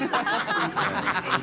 ハハハ